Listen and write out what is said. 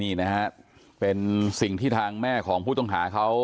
นี่นะฮะเป็นสิ่งที่ทางแม่ของผู้ต้องหาเขา